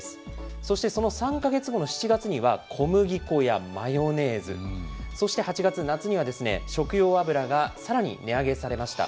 そしてその３か月後の７月には小麦粉やマヨネーズ、そして、８月、夏には食用油がさらに値上げされました。